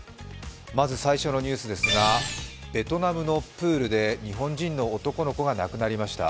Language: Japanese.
まず最初のニュースですがベトナムのプールで日本人の男の子が亡くなりました。